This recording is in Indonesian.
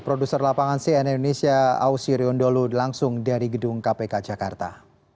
produser lapangan cn indonesia ausi riondolu langsung dari gedung kpk jakarta